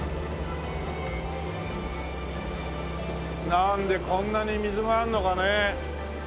なんでこんなに水があるのかね。